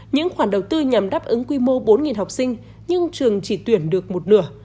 những khoản đầu tư nhằm đáp ứng quy mô bốn học sinh nhưng trường chỉ tuyển được một nửa